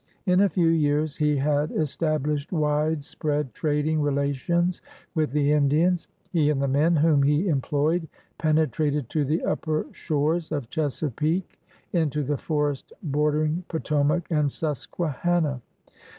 In a few years he had established wide spread trading relations with the Indians. He and the men whom he employed penetrated to the upper shores of Chesapeake, into the forest border ing Potomac and Susquehanna.